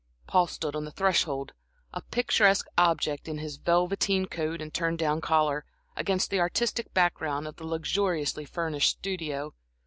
Paul stood on the threshold, a picturesque object in his velveteen coat and turned down collar, against the artistic background of the luxuriously furnished studio.